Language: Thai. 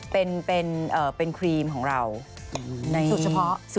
เป็นครีมของเราในสูตรเฉพาะ